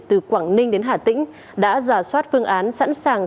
từ quảng ninh đến hà tĩnh đã giả soát phương án sẵn sàng